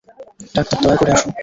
Doctor, দয়া করে আসুন।